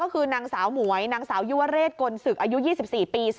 ก็คือนางสาวหมวยนางสาวยุวเรศกลศึกอายุ๒๔ปี